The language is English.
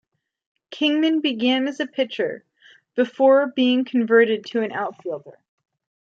Kingman began as a pitcher before being converted to an outfielder.